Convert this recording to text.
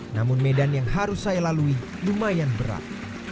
namun medan yang harus saya lalui lumayan berat